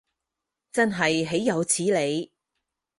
真係豈有此理